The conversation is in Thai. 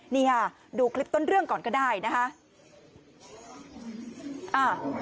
นี่ค่ะดูคลิปต้นเรื่องก่อนก็ได้นะคะ